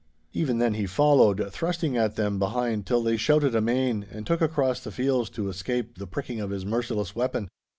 Even then he followed, thrusting at them behind till they shouted amain, and took across the fields to escape the pricking of his merciless weapon.